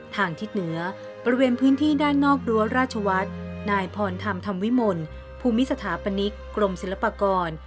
ทิศเหนือบริเวณพื้นที่ด้านนอกรั้วราชวัฒน์นายพรธรรมธรรมวิมลภูมิสถาปนิกกรมศิลปากร